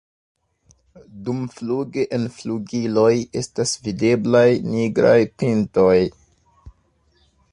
Dumfluge en flugiloj estas videblaj nigraj pintoj.